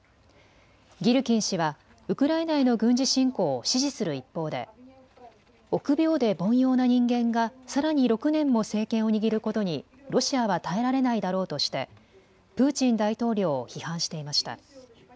ギルキン氏はウクライナへの軍事侵攻を支持する一方で、臆病で凡庸な人間がさらに６年も政権を握ることにロシアは耐えられないだろうとしてプーチン大統領を批判していました。